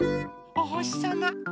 おほしさま。